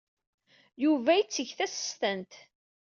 Yuba yella yetteg tasestant.